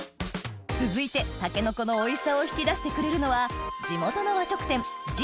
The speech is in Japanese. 続いてタケノコのおいしさを引き出してくれるのは地元の和食店わ！